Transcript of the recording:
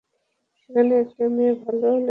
সেখানে একটা মেয়েকে ভালো লেগেছিল।